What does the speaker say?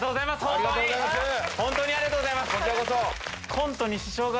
本当に本当にありがとうございます。